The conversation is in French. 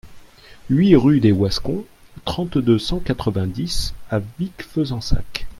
huit rue des Wascons, trente-deux, cent quatre-vingt-dix à Vic-Fezensac